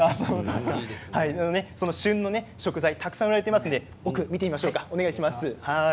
旬の食材たくさんありますので奥、見てみましょうか。